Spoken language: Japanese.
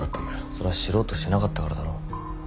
それは知ろうとしなかったからだろ。